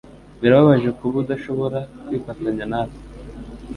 Birababaje kuba udashobora kwifatanya natwe.